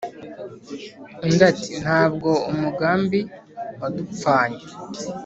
undi ati"ntabwo umugambi wadupfanye